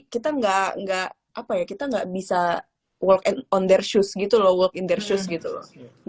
kita enggak enggak apa ya kita nggak bisa work on their shoes gitu loh work in their shoes gitu loh